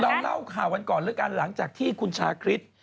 เล่าข่าววันก่อนแล้วกันหลังจากที่คุณชาคริส